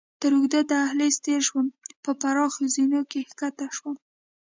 تر اوږده دهلېز تېر شوم، پر پراخو زینو کښته شوم.